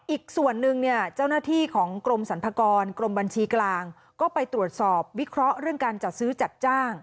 อีกส่วนหนึ่งเนี่ยเจ้าหน้าที่ของกรมสรรพากรกรมบัญชีกลางก็ไปตรวจสอบวิเคราะห์เรื่องการจัดซื้อจัดจ้าง